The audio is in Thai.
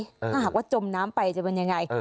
ถ้าหากว่าจมน้ำไปจะเป็นยังไง